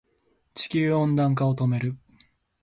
地球温暖化を止める